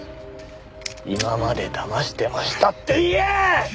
今までだましてましたって言え！